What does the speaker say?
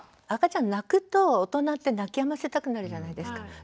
赤ちゃん泣くと大人って泣きやませたくなるじゃないですか。